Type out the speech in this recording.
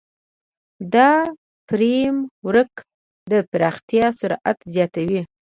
دا فریم ورک د پراختیا سرعت زیاتوي.